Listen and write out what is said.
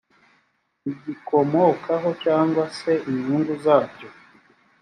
bigikomokaho cyangwa se inyungu zabyo